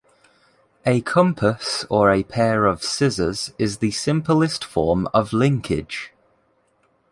A compass or a pair of scissors is the simplest form of linkage.